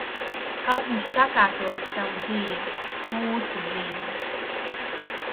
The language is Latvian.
Kaut viņš sakārtotu savu dzīvi. Mūsu dzīvi.